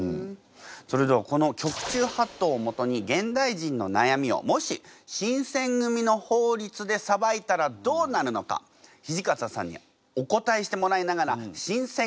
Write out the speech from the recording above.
それではこの局中法度をもとに現代人の悩みをもし新選組の法律で裁いたらどうなるのか土方さんにお答えしてもらいながら新選組を知っていこうと思います。